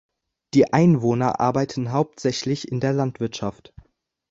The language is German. Die Einwohner arbeiten hauptsächlich in der Landwirtschaft.